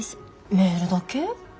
メールだけ？